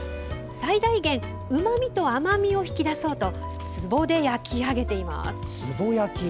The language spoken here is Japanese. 最大限うまみと甘みを引き出そうとつぼで焼き上げています。